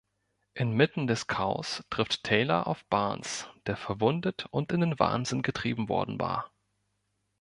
Inmitten des Chaos trifft Taylor auf Barnes, der verwundet und in den Wahnsinn getrieben worden war.